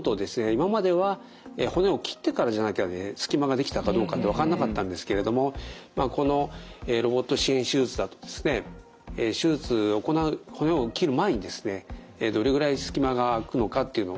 今までは骨を切ってからじゃなきゃね隙間ができたかどうかって分かんなかったんですけれどもこのロボット支援手術だとですね手術を行う骨を切る前にですねどれぐらい隙間が空くのかっていうのをですね